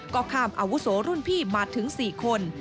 ก็ข้ามอาวุโสรุ่นพี่มาถึง๔คน